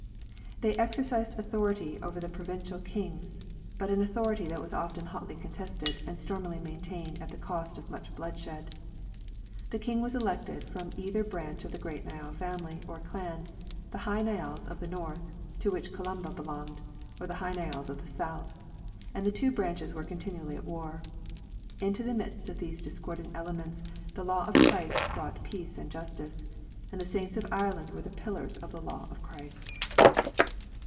They exercised authority over the provincial kings, but an authority that was often hotly contested, and stormily maintained at the cost of much bloodshed. The king was elected from either branch of the great Niall family or clan, the Hy Nialls of the North, to which Columba belonged, or the Hy Nialls of the South, and the two branches were continually at war. Into the midst of these discordant elements the law of Christ brought peace and justice, and the Saints of Ireland were the pillars of the law of Christ.